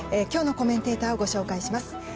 今日のコメンテーターをご紹介します。